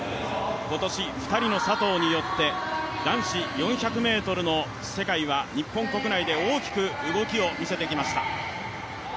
今年２人の佐藤によって男子４００ｍの世界は日本国内で大きく動きを見せてきました。